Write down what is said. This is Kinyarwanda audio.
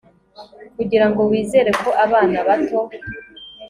kugira ngo wizere ko abana bato